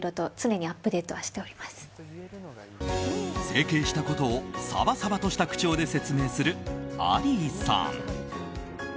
整形したことをさばさばとした口調で説明するアリーさん。